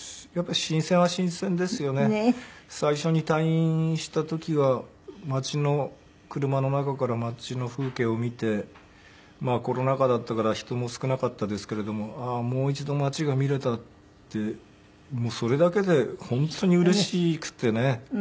最初に退院した時は街の車の中から街の風景を見てコロナ禍だったから人も少なかったですけれどももう一度街が見れたってそれだけで本当にうれしくてね。